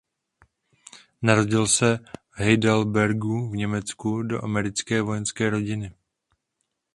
Narodil se v Heidelbergu v Německu do americké vojenské rodiny.